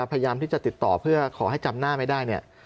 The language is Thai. พยายามที่จะติดต่อเพื่อขอให้จำหน้าไม่ได้เนี่ย